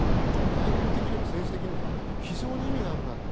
外交的にも政治的にも非常に意味があるなと。